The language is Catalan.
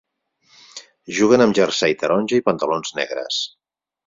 Juguen amb jersei taronja i pantalons negres.